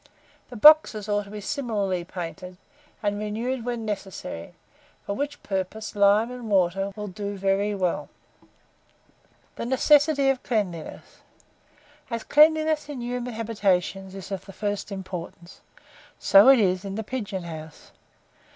The boxes ought also to be similarly painted, and renewed when necessary, for which purpose lime and water will do very well. THE NECESSITY OF CLEANLINESS. As cleanliness in human habitations is of the first importance, so is it in the pigeon house.